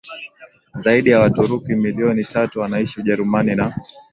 Zaidi ya Waturuki milioni tatu wanaishi Ujerumani na